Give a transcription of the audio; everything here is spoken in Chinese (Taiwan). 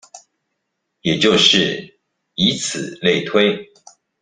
也就是以此類推